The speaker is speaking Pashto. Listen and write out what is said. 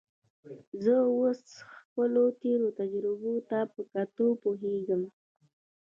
زه اوس خپلو تېرو تجربو ته په کتو پوهېږم.